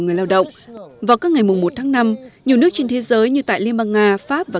người lao động vào các ngày một tháng năm nhiều nước trên thế giới như tại liên bang nga pháp và